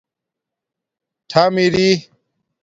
ٹھم اِری